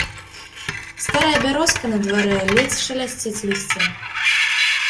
Старая бярозка на дварэ ледзь шалясціць лісцем.